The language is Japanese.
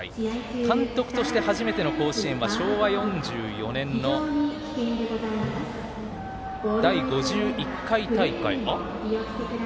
監督として初めての甲子園は昭和４４年の第５１回大会。